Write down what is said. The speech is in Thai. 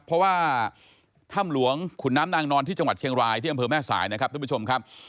เพราะว่าถ้ำหลวงขุนน้ำนางนอนที่จังหวัดเชียงรายที่อำเภอแม่สายนะครับทุกผู้ชมครับ